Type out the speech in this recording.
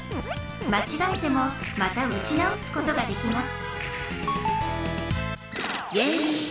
まちがえてもまた撃ち直すことができます